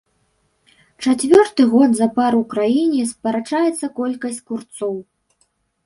Чацвёрты год запар у краіне скарачаецца колькасць курцоў.